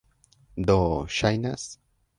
Do, ŝajnas...